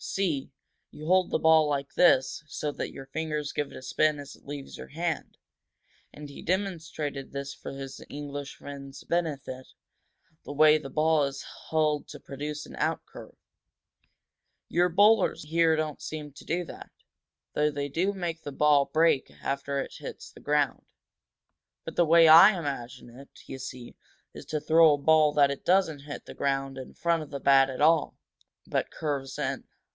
See? You hold the ball like this so that your fingers give it a spin as it leaves your hand." And he demonstrated for his English friend's benefit the way the ball is held to produce an out curve. "Your bowlers here don't seem to do that though they do make the ball break after it hits the ground. But the way I manage it, you see, is to throw a ball that doesn't hit the ground in front of the bat at all, but curves in.